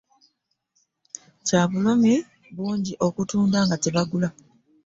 Kya bulumi bungi okutunda nga tebagula.